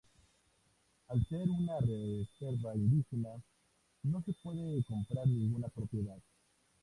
Al ser una reserva indígena, no se puede comprar ninguna propiedad.